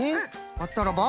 はったらば？